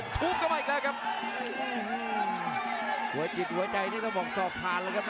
แต่ไม่ใช่เลยครับท่านผู้ชมครับ